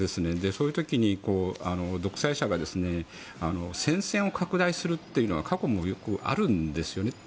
そういう時に独裁者が戦線を拡大するというのは過去もよくあるんですよね。